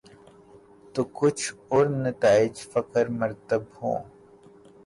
تو کچھ اور نتائج فکر مرتب ہوں۔